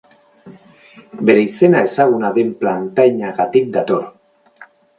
Bere izena ezaguna den plantainagatik dator.